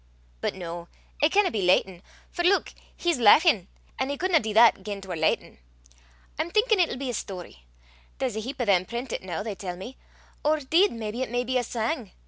But no; it canna be Laitin for, leuk! he's lauchin', an' he cudna dee that gien 'twar Laitin. I'm thinkin' it'll be a story: there's a heap o' them prentit noo, they tell me. Or 'deed maybe it may be a sang.